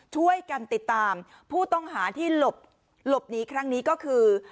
ช่วยกันติดตามผู้ต้องหาที่หลบหนีครั้งนี้ก็คือ